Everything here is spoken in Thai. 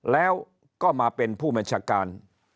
แล้วก็มาเป็นผู้บัญชาการ